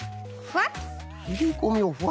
ふわっと。